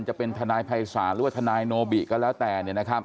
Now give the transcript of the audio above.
จะเป็นทนายภัยศาลหรือว่าทนายโนบิก็แล้วแต่